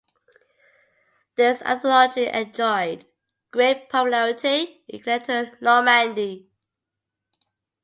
This anthology enjoyed great popularity in continental Normandy.